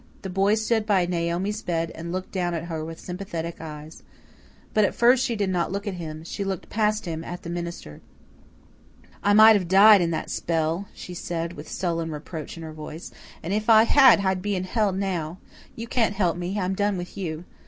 The boy stood by Naomi's bed and looked down at her with sympathetic eyes. But at first she did not look at him she looked past him at the minister. "I might have died in that spell," she said, with sullen reproach in her voice, "and if I had, I'd been in hell now. You can't help me I'm done with you.